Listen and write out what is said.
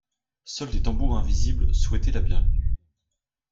Seuls des tambours invisibles souhaitaient la bienvenue.